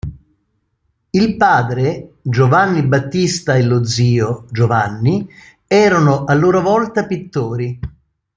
Il padre, Giovanni Battista e lo zio, Giovanni, erano a loro volta pittori.